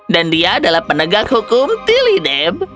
dan dia adalah penegak hukum tilideb